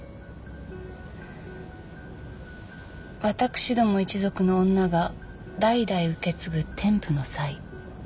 私ども一族の女が代々受け継ぐ天賦の才。